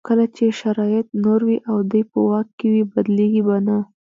کله چې شرایط نور وي او دی په واک کې وي بدلېږي به نه.